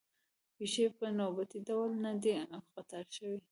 پېښې په نوبتي ډول نه دي قطار شوې.